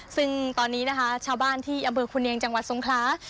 ซึ่งตอนนี้นะคะชาวบ้านที่อำเภอคุณเนียงจังหวัดทรงคลา